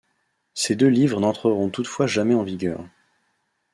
Ces deux livres n'entreront toutefois jamais en vigueur.